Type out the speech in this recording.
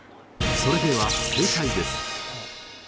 それでは正解です！